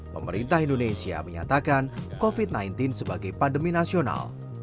pemerintah indonesia menyatakan covid sembilan belas sebagai pandemi nasional